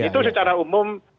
itu secara umum